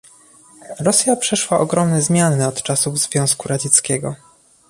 Rosja przeszła ogromne zmiany od czasów Związku Radzieckiego